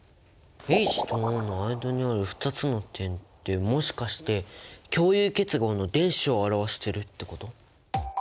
ＨとＯの間にある２つの点ってもしかして共有結合の電子を表してるってこと？